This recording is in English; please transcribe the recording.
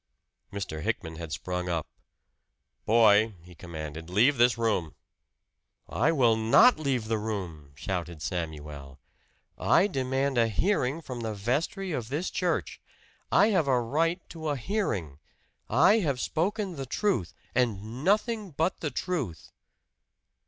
Mr. Hickman had sprung up. "Boy," he commanded, "leave this room!" "I will not leave the room!" shouted Samuel. "I demand a hearing from the vestry of this church. I have a right to a hearing! I have spoken the truth, and nothing but the truth!"